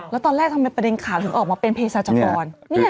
แล้วตอนแรกทำไมประเด็นข่าวถึงออกมาเป็นเพศรัชกร